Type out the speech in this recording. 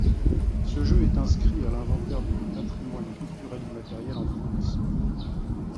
Ce jeu est inscrit à l’Inventaire du patrimoine culturel immatériel en France.